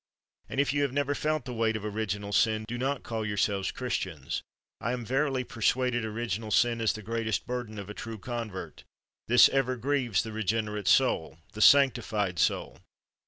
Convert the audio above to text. And if you have never felt the weight of original sin, do not call yourselves Christians. I am verily per suaded original sin is the greatest burden of a true convert ; this ever grieves the regenerate soul, the sanctified soul.